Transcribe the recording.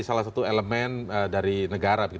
salah satu elemen dari negara